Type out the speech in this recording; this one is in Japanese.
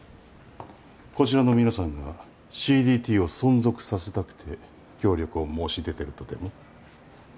こちらの皆さんがＣＤＴを存続させたくて協力を申し出てるとでも？